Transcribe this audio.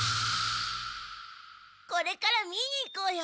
これから見に行こうよ！